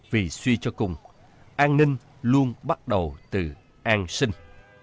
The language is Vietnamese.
vì suy cho cùng an ninh luôn bắt đầu từ an sinh